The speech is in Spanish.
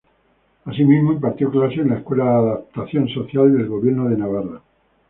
Asimismo, impartió clases en la Escuela de Adaptación Social del Gobierno de Navarra.